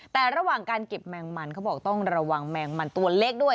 แต่ระหว่างการเก็บแมงมันเขาบอกต้องระวังแมงมันตัวเล็กด้วย